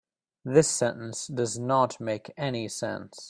This sentence does not make any sense.